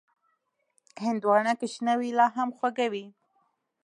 هندوانه که شنه وي، لا هم خوږه وي.